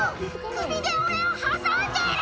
首で俺を挟んでる！